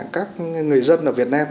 các người dân ở việt nam